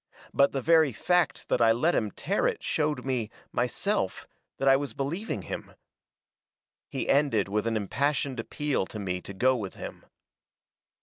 But the very fact that I let him tear it showed me, myself, that I was believing him. "He ended with an impassioned appeal to me to go with him.